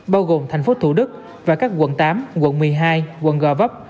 bao gồm thành phố thủ đức và các quận tám quận một mươi hai quận gò vấp